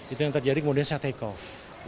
itu yang terjadi kemudian saya take off